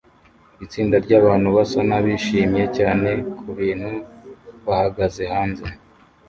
Itsinda ryabantu basa nabishimye cyane kubintu bahagaze hanze